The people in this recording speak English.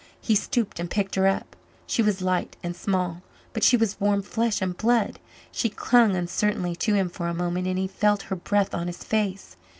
He stooped and picked her up she was light and small, but she was warm flesh and blood; she clung uncertainly to him for a moment and he felt her breath on his face.